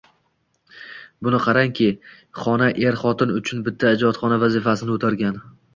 Buni qarangki, xona er-xotin uchun bitta ijodxona vazifasini o`tarkan